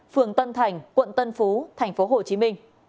phường tân thành quận tân phú tp hcm